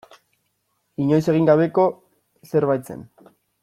Inoiz egin gabeko zerbait zen.